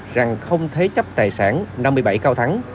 rằng không thế chấp tài sản năm mươi bảy cao thắng